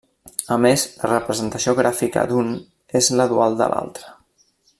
A més, la representació gràfica d'un és la dual de l'altra.